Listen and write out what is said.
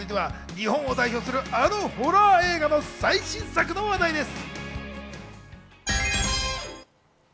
日本を代表する、あのホラー映画の最新作の話題です。